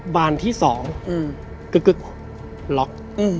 บานที่๒กึ๊กล็อก